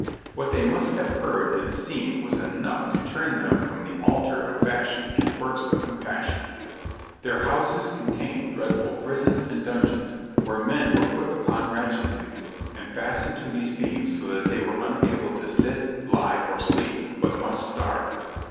What they must have heard and seen was enough to turn them from the altar of fashion to works of compassion. Their houses contained dreadful prisons and dungeons, where men were put upon rachentegs, and fastened to these beams so that they were unable to sit, lie, or sleep, but must starve.